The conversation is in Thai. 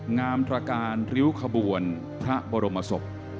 งามตรการริ้วขบวนพระบรมศพ